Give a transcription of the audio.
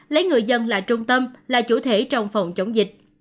lấy người dân là trung tâm là chủ thể trong phòng chống dịch